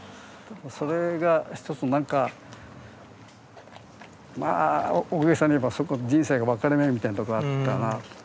それが一つ何かまあ大げさに言えばそこ人生の分かれ目みたいなとこあったな。